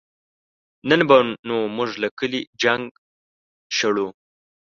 نن به نو مونږ له کلي جنګ شړو